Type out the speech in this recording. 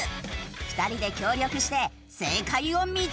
２人で協力して正解を導け！